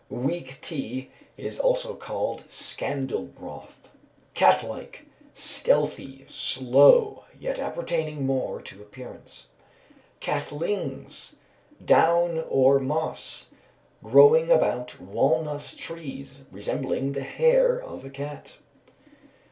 Weak tea is also called "scandal broth." Cat like. Stealthy, slow, yet appertaining more to appearance. Catlings. Down, or moss, growing about walnut trees, resembling the hair of a cat.